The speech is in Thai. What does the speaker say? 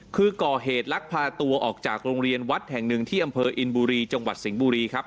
คือก่อเหตุลักพาตัวออกจากโรงเรียนวัดแห่งหนึ่งที่อำเภออินบุรีจังหวัดสิงห์บุรีครับ